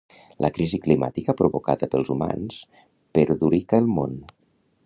La crisi climàtica provocada pels humans perudica el món.